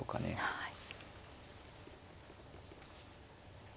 はい。